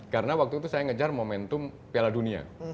karena waktu itu saya mengejar momentum piala dunia